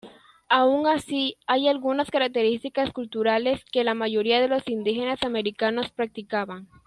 Aun así, hay algunas características culturales que la mayoría de los indígenas americanos practicaban.